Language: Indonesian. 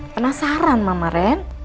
penasaran mama ren